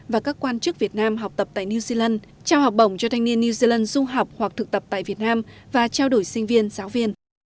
và các quan chức việt nam học tập tại new zealand trao học bổng cho thanh niên new zealand du học hoặc thực tập tại việt nam và trao đổi sinh viên giáo viên